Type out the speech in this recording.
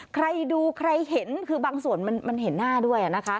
ใครดูใครเห็นคือบางส่วนมันเห็นหน้าด้วยนะคะ